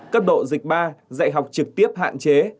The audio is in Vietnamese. cấp độ dịch ba dạy học trực tiếp hạn chế